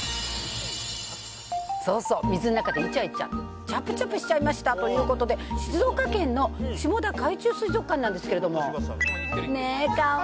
そうそう、水の中でいちゃいちゃ、ちゃぷちゃぷしちゃいましたということで、静岡県の下田海中水族館なんですけれども。